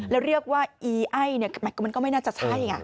แล้วเรียกว่าอีไอมันก็ไม่น่าจะใช่ไง